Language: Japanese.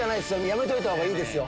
やめといたほうがいいですよ。